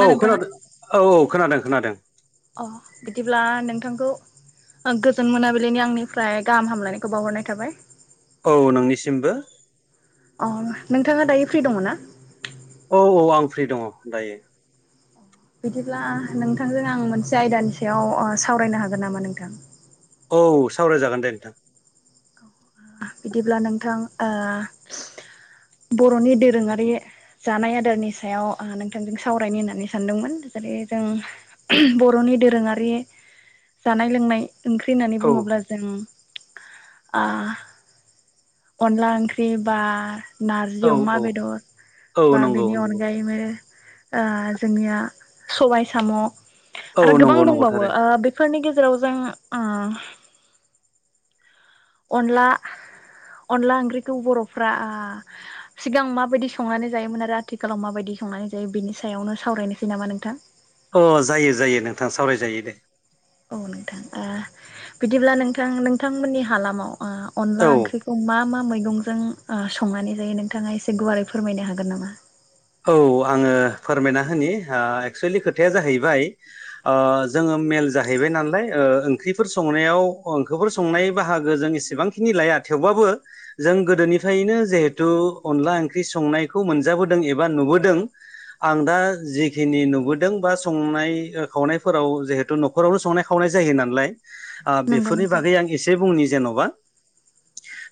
ना औ नोंथाङा खोनादों औ-औ खोनादों खोनादों। अ बिदिब्ला नोंथांखौ। गोजोन मोनाबिलिनि आंनिफ्राय गाहाम हामलायनायखौ बावहरनाय थाबाय। औ नोंनिसिमबो। अ नोंथाङा दायो फ्रि दङ ना? औ-औ आं फ्रि दङ दायो। बिदिब्ला नोंथांजों आं मोनसे आयदानि सायाव सावरायनो हागोन नामा नोंथां? औ सावरायजागोन दे नोंथां। बिदिब्ला नोंथां ओ। बर'नि दोरोंआरि जानाय आदारनि सायाव नोंथांजों सावरायनो होननानै सानदोंमोन। जेरै जों एहम बर'नि दोरोंआरि जानाय लोंनाय। ओंख्रि होननानै औ बुङोब्ला जों ओ। अनला ओंख्रि बा। नारजि औ अमा औ बेदर औ बा नंगौ बेनि नंगौ अनगायैबो। ओ जोंनिया सबाइ साम' औ आरो गोबां नंगौ नंगौ दंबावो ओ थारैनो बेफोरनि गेजेराव जों ओम। अनला। अनला ओंख्रिखौ बर'फ्रा आ सिगां माबायदि संनानै जायोमोन आरो आथिखालाव माबायदि? संनानै जायो बिनि सायावनो सावरायनोसै नामा नोंथां? अ जायो-जायो नोंथां सावरायजायो दे। औ नोंथां ओ बिदिब्ला नोंथां नोंथांमोननि हालामाव। ओ अनला औ ओंख्रिखौ मा-मा। [unintelligible] ओ संनानै जायो नोंथांङा एसे गुवारै फोरमायनो हागोन नामा? औ आंङो फोरमायना होनि एक्सुलि खोथाया जाहैबाय जोंङो। मेल जाहैबाय नालाय ओंख्रिफोर संनायाव ओंखोफोर संनाय बाहागो जों एसेबांखिनि लाया। थेवबाबो जों गोदोनिफ्रायनो जेहेथु अनला ओंख्रि संनायखौ मोनजाबोदों [unintelligible] [unintelligible] नुबोदों आं दा जिखिनि नुबोदों बा संनाय खावनायफोराव जेहेथु न'खरावनो संनाय खावनाय। जायो नालाय अ नंगौ बेफोरनि नोंथां बागै आं एसे बुंनि जेन'बा।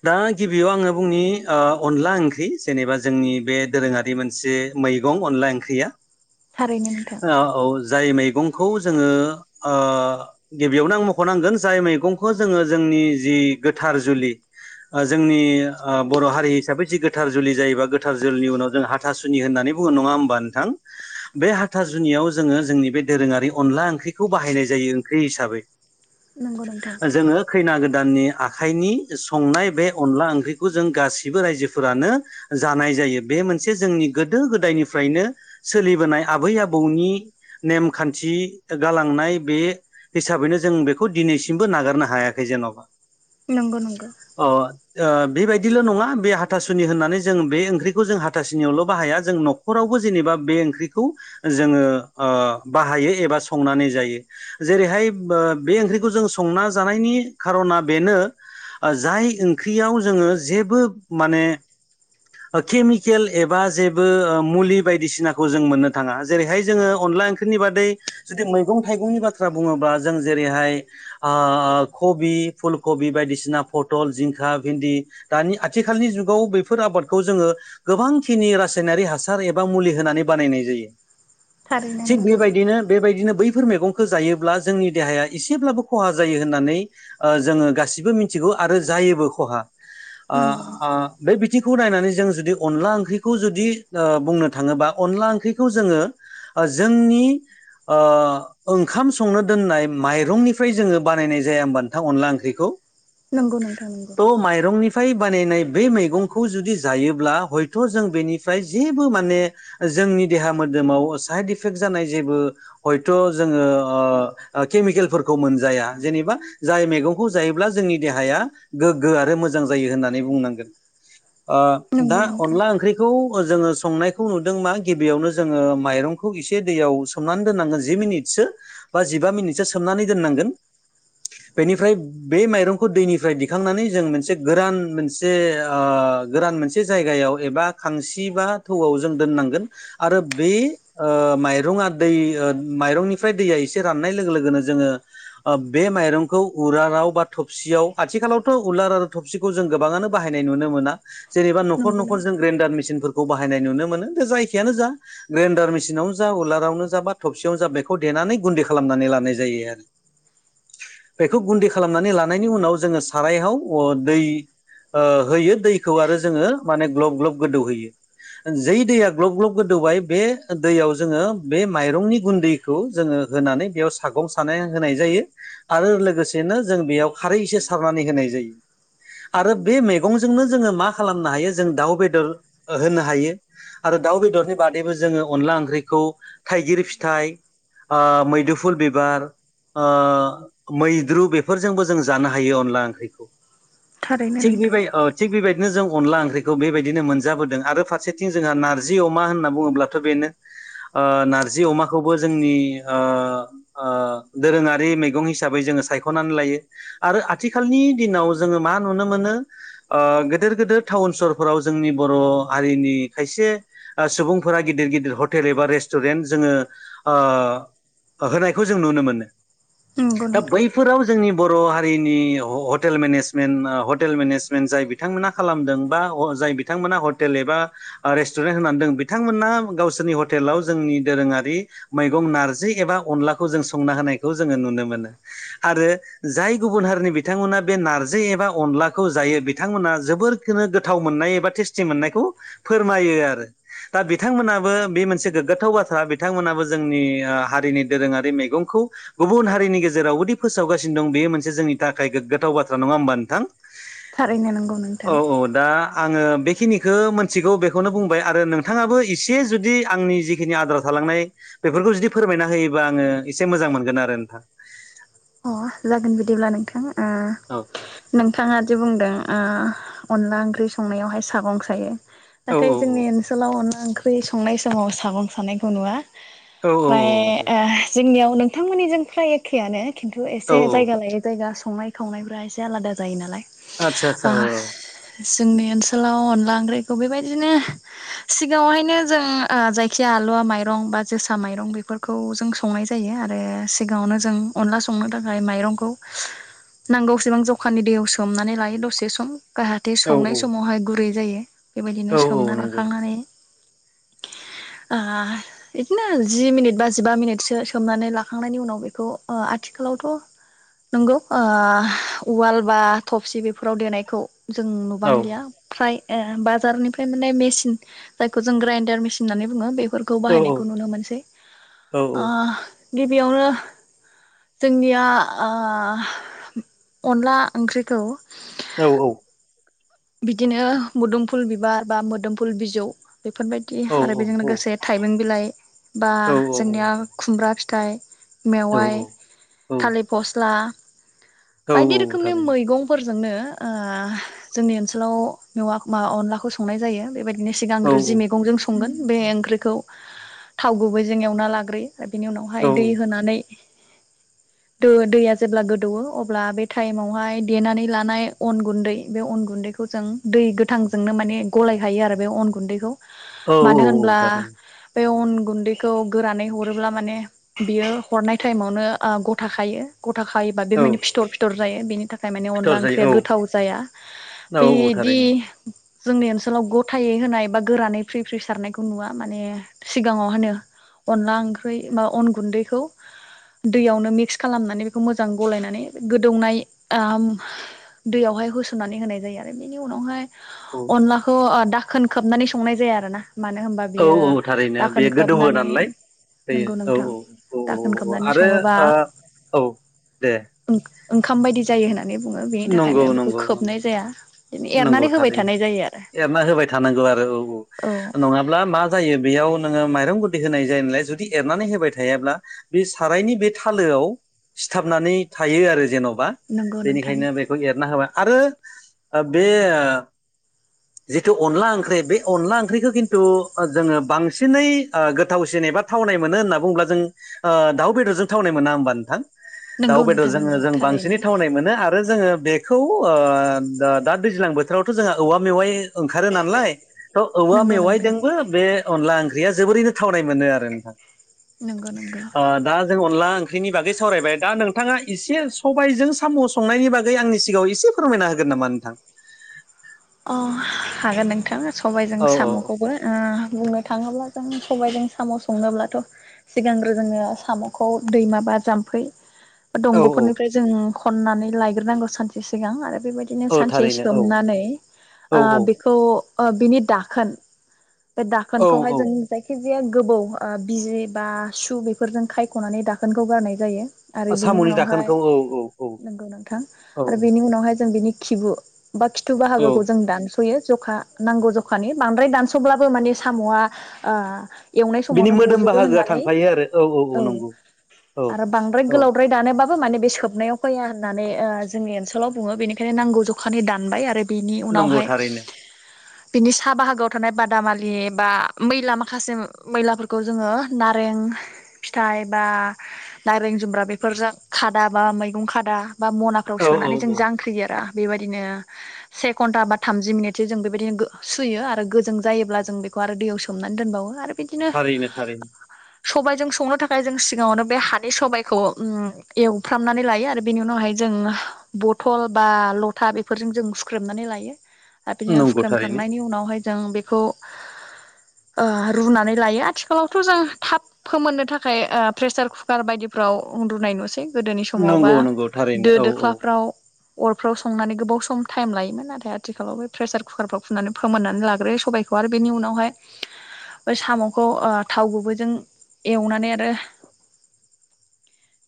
दा गिबियाव आङो बुंनि अ अनला ओंख्रि जेनेबा जोंनि बे दोरोङारि [unintelligible] जे मैगं अनला ओंख्रिया थारैनो नोंथां अ औ जाय मैगं। मैगंखौ जोंङो अ गिबियावनो आं मख'नांगोन जाय मैगंखौ जोंङो जोंनि [unintelligible] [unintelligible] गोथार जुलि। अ जोंनि अ बर' हारि हिसाबै जि गोथार जुलि जायोबा गोथार जुलिनि उनाव जों [unintelligible] हाथासुनि होननानै बुंङो नंङा होमबा नोंथां? बे हाथासुनियाव जोंङो जोंनि बे दोरोंङारि अनला [unintelligible] [unintelligible] बाहायनाय जायो ओंख्रि हिसाबै। नंगौ नोंथां जोंङो खैना गोद [unintelligible] दाननि आखाइनि संनाय बे अनला ओंख्रिखौ जों गासिबो रायजोफोरानो जानाय। जायो बे मोन [unintelligible] मोनसे जोंनि गोदो गोदायनिफ्रायनो सोलिबोनाय आबै आबौनि नेमखान्थि। गालांनाय बे हिसाबैनो जों बेखौ दिनैसिमबो नागारनो हायाखै जेन'बा। नंगौ नंगौ अ। अ बेबायदिल' नङा बे हाथासुनि होननानै जों बे ओंख्रिखौ जों [unintelligible] हाथासुनियावल बाहाया जों न'रावबो जेनेबा बे ओंख्रिखौ जोंङो अ बाहायो एबा। बा संनानै जायो जेरैहाय बो बे ओंख्रिखौ जों संना जानायनि खार'ना बेनो। जाय ओंख्रियाव जोंङो जेबो माने। केमिकेल एबा जेबो ओ मुलि बायदिसिनाखौ जों मोननो थांङा जेरैहाय जोंङो। अनला ओंख्रिनि बादै जुदि मैं थाइंनि बाथ्रा बुङोब्ला जों जेरैहाय ओ [unintelligible] कबि फुल कबि बायदिसिना फथल जिंखा भिन्दि दानि आथिखालनि जुगाव बे बेफोर आबादखौ जोङो गोबांखिनि रासायनारि हासार एबा मुलि होनानै बानायनाय जायो। थारैनो थिग नोंथां बेबायदिनो बेबायदिनो बै फोर मैगंखौ जायोब्ला जोंनि देहाया एसेब्लाबो खहा जायो होननानै ओ जोङो गासिबो मिथिगौ आरो जायोबो खहा। नंगौ नोंथां आ बे थिंखौ नायनानै जों जुदि अनला ओंख्रिखौ जुदि ओ बुंनो थाङोबा अनला ओंख्रिखौ जोङो जोंनि ओ ओंखाम संनो दोननाय माइरंनिफ्राय जोङो बानायनाय जा या होनबा नोंथां अनला ओंख्रिखौ? नंगौ नोंथां नंगौ थ' माइरंनिफ्राय बानायनाय बै मैगं खौ जुदि जायोब्ला हयथ' जों बेनिफ्राय जेबो माने जोंनि देहा मोदोमाव साइड इफेक्ट जानाय जेबो हयथ' जोङो ओ ओ केमिकेलफोरखौ मोनजाया, जेनेबा जाय मैगंखौ जायोब्ला जोंनि देहाया गोग्गो आरो मोजां जायो होननानै बुंनांगोन। ओ दा नंगौ नोंथां अनला ओंख्रि खौ जोङो संनायखौ नुदों मा गिबियावनो जोङो माइरंखौ एसे दैयाव सोमनानै दोननांगोन जि मिनिटसो बा जिबा मिनिटसो सोमनानै दोननांगोन। बेनिफ्राय बे माइरंखौ दैनिफ्राय दिखांनानै जों मोनसे गोरान मोनसे ओ गोरान मोनसे जायगायाव एबा खांसि बा थौआव जों दोननांगोन आरो बे ओ माइरंआ दै माइरंनिफ्राय दैया एसे राननाय लोगो लोगोनो जोङो ओ बे माइरंखौ उरालाव बा थबसियाव आथिखालावथ' उलार आरो थबसिखौ जों गोबाङानो बाहाय नाय नुनो मोना, जेनबा नखर नंगौ नखर जों नोंथां ग्रेनदार मिसनफोरखौ खौ बाहायनाय नुनो मोनोे। दे जायखियानो जा ग्रेडार मेसिनावनो जा उलारावनो जा बा थबसेयाव जा बेखौ दे नानै गुन्दै खालामनानै लानाय जायो आरो। [inaudible] बेखौ गुन्दै खालामनानै लानायनि उनाव जोङो सारायाव दै ओ होयो दैखौ आरो जोङो माने ग्लब ग्लब गोदौहोयो जै दैया ग्लब ग्लब गोदौबाय [unintelligible] बे दै जोङो बे माइरंनि गुन्दैखौ जोङो होनानै बेयाव सागं सानाय होनाय जायो आरो लोगोसेनो जों बेयाव खारै एसे सारनानै होनाय जायो, आरो बे मैगंजोंनो जोङो मा खालामनो हायो जों दाउ बेदर होनो हायो। आरो दाउ बेदरनि बादैबो जोङो अनला ओंख्रिखौ थाइगिर फिथाइ ओ मैदुफुल बिबार ओ मैद्रु बेफोरजोंबो जों जानो हायो अनला ओंख्रिखौ। थारैनो थिक नोंथां बिबाय ओ थिक बिबाय दिनो जों अनला ओंख्रिखौ बेबायदिनो मोनजाबोदों आरो फारसेथिं जोंहा नारजि अमा होनना बुङोब्लाथ' बेनो ओ नारजि अमाखौबो जोंनि ओ ओ दोरोङारि मैगं हिसाबै जों जोङो सायख'नानै लायो आरो आथिखालनि दिनाव जोङो मा नुनो मोनो ओ गेदेर गेदेर टाउन सहरफोराव जोंनि बर' हारिनि खायसे सुबुंफोरा गिदिर गिदिर हटेल एबा रेस्टुरेन्ट जोङो ओ होनायखौ जों नुनो मोनो। नंगौ दा नोंथां बैफोराव जोंनि बर' हारिनि ह-हटेल मेनेजमेन्ट हटेल मेनेजमेट जाय बिथांमोना खालामदों बा अ जाय बिथांमोना हटेल एबा ओ रेस्टुरेन्ट होनानै जों बिथांमोना गावसोरनि हटेलाव जोंनि दोरोङारि मैगं नारजि एबा अनलाखौ जों संना हो होनायखौ जों नुनो मोनो आरो जाय गुबुन हारिनि बिथांमोना बे नारजि एबा अनला खौ जायो बिथांमोना जोबोरखौनो गोथाव मोननाय एबा टेस्टि मोननायखौ फोरमायो आरो। दा बिथांमोनाबो बे मोनसे गोग्गाथाव बाथ्रा बिथांमोनाबो जोंनि हारिनि दोरोङारि मैगंखौ गुबुन हारिनि गेजेरावबोदि फोसावगासिनो दं बेयो मोनसे जोंनि थाखाय गोग्गाथाव बाथ्रा नङा होमबा नोंथां? थारैनो नंगौ औ नोंथां। औ दा आङो बेखिनिखो मिथिगौ बेखौनो बुंबाय आरो नोंथाङाबो एसे जुदि आंनि जिखिनि आद्रा थालां नाय बेफोरखौ जुदि फोरमायना होयोबा आङो एसे मोजां मोनगोन आरो नोंथां। अ जागोन बिदिब्ला नोंथां ओ औ नोंथाङा जे बुंदों ओ अनला ओंख्रि संनायावहाय सागं सायो औ नाथाय औ जोंनि ओनसोलाव अनला ओ ओंख्रि संनाय समाव सागं सानायखौ नुवा औ ओमफ्राय औ औ ओ जोंनियाव नोंथांमोननिजों फ्राय एखेआनो किन्थु औ एसे जायगा लायै जायगा संनाय खावनायफ्रा एसे आलादा जायो नालाय आतसा ओ आतसा औ औ जोंनि ओनसोलाव अनला ओंख्रिखौ बेबायदिनो सिगांङावहायनो जों जायखिजाया हालुवा माइरं बा जोसा माइरं बेफोरखौ जों संनाय जायो आरो सिगाङावनो जों अनला संनो थाखाय माइरंखौ नांगौसेबां जखानि दैयाव सोमनानै लायो दसे सम जाहाथे औ संनाय समावहाय गुरै जायो बेबायदिनो औ औ सोमना नंगौ लाखांनानै [inaudible] ओ बिदिनो जि मिनिट बा जिबा मिनिटसो सोमनानै लाखांनायनि उनाव बेखौ ओ आथिखालावथ' नंगौ उवाल बा थफसि बेफोराव देनायखौ जों औ नुबांलिया फ्राय ए बाजारनिफ्राय मोनाय मेसिन जायखौ जों ग्राइडार मेसिन होननानै बुङो बे फोरखौ औ बाहायनायखौ नुनो मोनसै औ ओ गिबियावनो जोंनिया ओ अनला ओंख्रिखौ औ औ बिदिनो मोदोमफुल बिबार बा मोदोमफुल बिजौ बेफोरबायदि आरो बेजों लोगोसे थाइबें बिलाइ बा जोंनिया खुमब्रा फि थाइ औ मेवाइ थालिर फस्ला औ बायदि औ रोखोमनि थारैनो मैगंफोरजोंनो ओ जोंनि ओनसोलाव मेवा अनलाखौ संनाय जायो बेबाय बेनि औ सिगांग्रो जि मैगंजों संगोन बे औ ओंख्रिखौ थाव गुबैजों एवना लाग्रोयो आरो बिनि औ उनावहाय दै होनानै दो दैया जेब्ला गोदौवो अब्ला बे टाइमावहाय देनानै लानाय अन गुन्दै बे अन गुन्दैखौ जों दै गोथांजोंनो माने गलाय गायो आरो बे अन गुन्दैखौ औ मानो औ होनब्ला थारैनो बे अन गुन्दैखौ गोरानै हरोब्ला माने बियो हरनाय टाइमावनो गथाखायो गथा खायोबा बे औ माने फिथर फिथर जायो बेनि थाखाय माने फिथर अनला ओंख्रिया जायो औ गोथाव जाया। औ औ बेदि थारैनो जोंनि ओनसोलाव गथायै होनाय बा गोरानै फ्रि फ्रि सारनायखौ नुवा माने सिगाङाव होनो अनला ओंख्रि बा अन गुन्दैखौ दैयावनो मिक्स खालामनानै बेखौ मोजां गलायनानै गोदौनाय ओ दैयावहाय हो सननानै होनाय जायो आरो बेनि उनावहाय औ अनलाखौ दाखोन खोबनानै संनाय जाया आरो ना मानो होनबा औ बियो औ थारैनो बे दाखोन गोदौवो खोबनानै नालाय नंगौ जायो औ नोंथां औ दाखोन औ औ खोबनानै आरो सङोबा ओ औ दे ओंखाम बायदि जायो होननानै बुङो बेनि नंगौ थाखायनो बेखौ नंगौ नंगौ खोबनाय जाया नंगौ एरनानै होबाय थारैनो थानाय जायो आरो। एरना होबाय थानांगौ आरो औ नङाब्ला मा जायो बेयाव माइरं गुनदै होनाय जायो नालाय जुदि एरनानै होबाय थायाब्ला बे सारायनि बे थालोआव सिथाबनानै थायो आरो जेन' नंगौ नंगौ बेखायनो बेखौ एरना होबाय आरो बे जिथु अनला ओंख्रि बे अनला ओंख्रिखो खिन्थु जोंङो बांसिनै गोथावसिन जेनेबा थावनाय मोनो होनना बुंङोब्ला जों दाउ बेदरजों थावनाय मोना होमबा नोंथां दाउ नंगौ बेदर नोंथां जोंङो नंगौ जों थारैनो बांसिनै थावनाय मोनो जोंङो बेखौ ओ दा दैज्लां बोथोरावथ' जोंहा औवा मेवाइ ओंखारो नालाय थ' औवा नंगौ नोंथां मेवाइजोंबो बे अनला ओंख्रिया जोबोरैनो थावनाय मोनो आरो नोंथां नंगौ नंगौ ओ दा जों अनला ओंख्रिनि बागै सावरायबाय दा नोंथाङा एसे सबायजों साम' संनायनि बागै आंनि सिगाङाव एसे फोरमायना होगोन नामा नोंथां। अ हागोन नोंथां सबायजों औ औ साम'खौबो बुंनो थाङोब्ला जों सबायजों साम' संनोब्लाथ' सिगांग्रो जोङो साम'खौ दैमाबा जामफ फै औ औ दंग'फोरनिफ्राय जों खननानै लायग्रोनांगौ सानसे सिगां आरो बेबायदिनो औ सानसे थारैनो औ सोमनानै औ ओ औ बेखौ अ बिनि दाखोन बे औ दाखोनखौहाय औ जों जायखि जाया गोबौ ओ बिजि बा सु बेफोरजों खायख'नानै दाखोनखौ गारनाय जायो। आरो बिनि साम'नि उनावहाय दाखोनखौ औ औ औ नोंगौ नोंथां औ आरो बिनि उनावहाय जों बिनि खिबु बा खिथु औ बाहागो दानस'यो जखा नांगौ जखानि बांद्राय दानस'ब्लाबो माने साम'आ ओ एवनाय बिनि समावनो मोदोम गजोबो बाहागोआ होननानै थांफायो आरो औ नंगौ औ आरो बांद्राय औ गोलावद्राय दानोबा माने बे सोबनायाव फैया होननानै ओ जोंनि ओनसोलाव बुङो बेनिखायनो नांगौ जखानि दानबाय आरो बे नंगौ उनावहाय थारैनो बिनि साहा बाहागोआव थानाय बादामालि बा मैला माखासे मैलाफोरखौ जोङो नारें फिथाइ बा नाररें जुमब्रा बेफोरजों खादा बा मैगं खादा बा मनाफ्राव औ औ सोनानै जों औ जांख्रियोेरा बेबायदिनो सेफ एक घन्टा बा थामजि मिनिटसो जों बेबायदिनो सुयो आरो गोजों जायोब्ला जों बेखौ आरो दैयाव सोमनानै दोनबावो आरो थारैनो थारैनो। सबाइजों संनो थाखाय जों सिगाङावनो बे हादै सबाइखौ ओम एवफ्रामनानै लायो आरो बेनि उनावहाय जों जों बथल बा लथा बेफोरजों जों सु ख्रेमनानै लायो आरो बिदिनो नंगौ थारैनो फुख्रेमखांनायनि उनावहाय जों बेखौ ओ रुनानै लायो आथिखालावथ' जों थाब फोमोननो थाखाय ओ प्रेसार कुकार बायदि फाव उन्दुनाय नुसै गोदोनि समावबा नंगौ नंगौ थारैनो दो औ औ दोख्लाफ्राव अरफ्राव संनानै गोबाव सं टाइम लायोमोन नाथाय आथिखालाव बे प्रेसार कुकारफ्राव फुननानै फोमोननानै लाग्रोयो सबायखौ आरो बेनि उनावहाय ऐ साम'खौ ओ थाव गुबैजों एवनानै आरो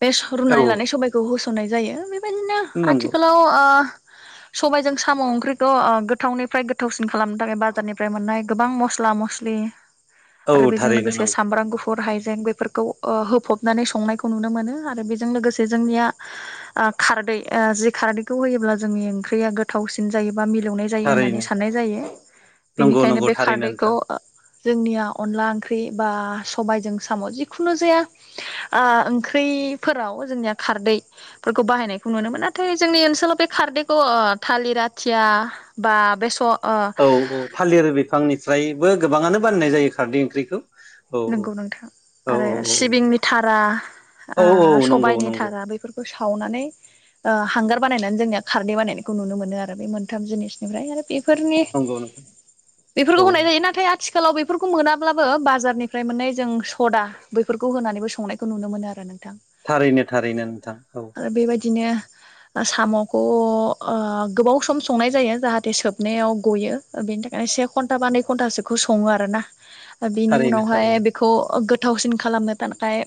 [inaudible] बे सुरुनानै औ लानाय सबायखौ होसननाय जायो बेबायदिनो नंगौ आथिखालाव ओ सबायजों साम' ओंख्रिखौ ओ गोथावनिफ्राय गोथावसिन खालामनो थाखाय बाजारनिफ्राय मोननाय गोबां मस्ला मस्लि लि औ आरो बेजों थारैनो लोगोसे नंगौ सामब्राम गु फुरा हाइें बेफोरखौ ओ होफबनानै संनायखौ नुनो मोनो आरो बेजों लोगोसे जोंनिया ओ खारदै ओ जि खारदैखौ होयोब्ला जोंनि ओंख्रिया गोथावसिन जायो। बा मिलौनाय जायो होननानै थारैनो साननाय जायो नंगौ बेनिखायनो नंगौ बे थारैनो खारदैखौ नोंथां ओ जोंनिया अनला ओंख्रि बा सबायजों साम' जिखुनु जाया आ ओंख्रि रि फोराव जोंनिया खारदै बिफोरखौ बाहायनाय नुनो नाथाय जोंनि ओनोलाव बे खारदै खौ ओ थालिरि आथिया बा बेसर औ औ थालिर बिफांनिफ्रायबो गोबाङानो बाननाय जायो खारदै ओंख्रिखौ औ नोंगौ नोंथां औ आरो सिबिंनि धारा ओ औ औ औ नंगौ सबायनि नंगौ धारा बेफोर खौ सावनानै आ हांगार बानायनानै जोंनिया खारदै बानायनायखौ नुनो मोनो आरो बे मोनथाम जिनिसनिफ्राय आरो बेफोरनि नंगौ नोंथां बेफोरखौ औ होनाय जायो नाथाय आथिखालाव बेफोरखौ मोनाब्लाबो बाजारनि फ्राय मोननाय जों सदा बैफोरखौ होनानैबो संनायखौ नुनो मोनो आरो नों थारैनो थारैनो नोंथां औ बिदिनो साम'खौ ओ गोबाव सम संनाय जायो जाहाथे सोबनायाव गयो बेनि थाख खाय से घन्टा बा नै घन्टासोखौ सङो आरो ना ओ बिनि थारैनो उनावहाय थारैनो बिखौ गोथावसिन खालामनो थाखाय